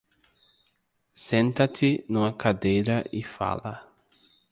Senta-te numa cadeira e fala.